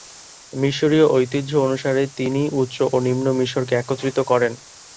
মিশরীয় ঐতিহ্য অনুসারে তিনিই উচ্চ ও নিম্ন মিশরকে একত্রিত করেন।